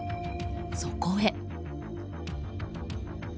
そこへ。